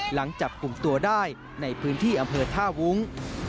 หลังจับกลุ่มตัวได้ในพื้นที่อำเภอท่าวุ้ง